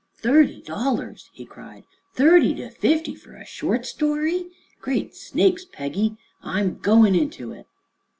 "Thirty dollars!" he cried; "thirty to fifty fer a short story! Great Snakes, Peggy, I'm goin' into it."